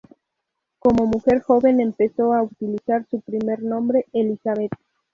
Como mujer joven empezó a utilizar su primer nombre "Elizabeth.